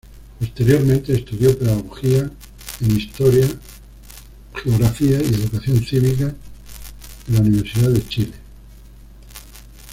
Posteriormente estudió Pedagogía en Historia, Geografía y Educación Cívica en la Universidad de Chile.